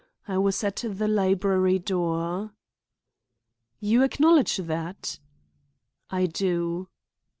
I was at the library door." "You acknowledge that?" "I do."